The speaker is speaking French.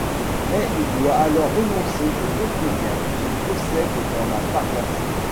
Mais il doit alors renoncer aux autres biens qu’il possède dans la paroisse.